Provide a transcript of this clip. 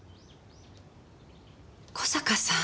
小坂さん？